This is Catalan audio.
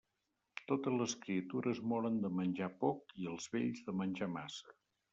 Totes les criatures moren de menjar poc i els vells de menjar massa.